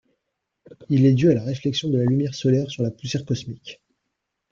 Il est dû à la réflexion de la lumière solaire sur la poussière cosmique.